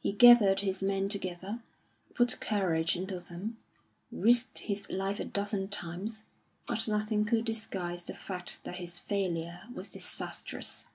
He gathered his men together, put courage into them, risked his life a dozen times; but nothing could disguise the fact that his failure was disastrous.